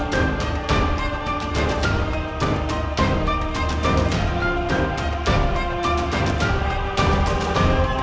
saya juga gagal untuk menghina roy